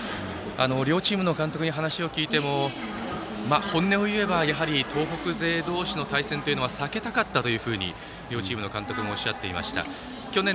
両チームの監督に話を聞いても本音を言えばやはり東北勢同士の対戦は避けたかったと両チームの監督がおっしゃっていました。